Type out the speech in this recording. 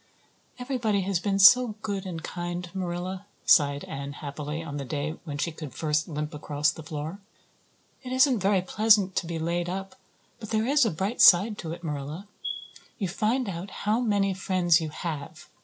"Everybody has been so good and kind, Marilla," sighed Anne happily, on the day when she could first limp across the floor. "It isn't very pleasant to be laid up; but there is a bright side to it, Marilla. You find out how many friends you have.